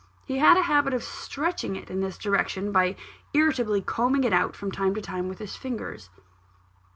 He had a habit of stretching it in this direction, by irritably combing it out, from time to time, with his fingers.